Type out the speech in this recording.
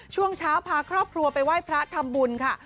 ช่วงเช้าพาครอบครัวไปไหว้พระทำบุญค่ะ